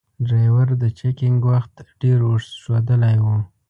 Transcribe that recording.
ډریور د چکینګ وخت ډیر اوږد ښودلای و.